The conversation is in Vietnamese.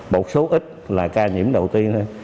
một số ít là ca nhiễm đầu tiên thôi